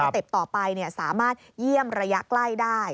เต็ปต่อไปสามารถเยี่ยมระยะใกล้ได้